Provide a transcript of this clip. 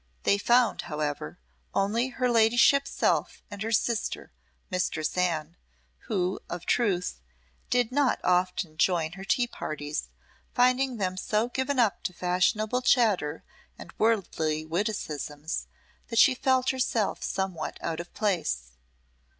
They found, however, only her ladyship's self and her sister, Mistress Anne, who, of truth, did not often join her tea parties, finding them so given up to fashionable chatter and worldly witticisms that she felt herself somewhat out of place.